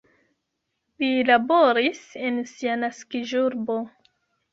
Li laboris en sia naskiĝurbo.